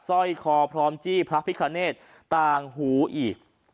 สร้อยคอพร้อมจี้พระพิคเนตต่างหูอีก